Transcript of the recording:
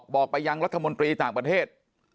บอกไปยังรัฐมนตรีต่างประเทศ